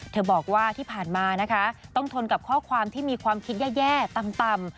บอกว่าที่ผ่านมานะคะต้องทนกับข้อความที่มีความคิดแย่ต่ำ